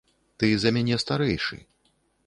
Ты за мяне старэйшы.